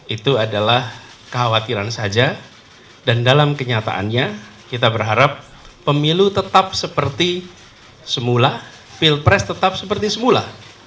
itu adalah kekhawatiran saja dan dalam kenyataannya kita berharap pemilu tetap seperti semula pilpres tetap seperti semula